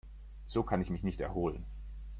So kann ich mich nicht erholen.